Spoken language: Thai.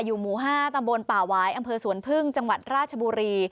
หมู่๕ตำบลป่าวายอำเภอสวนพึ่งจังหวัดราชบุรี